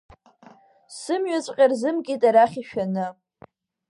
Сымҩаҵәҟьа рзымкит арахь ишәаны.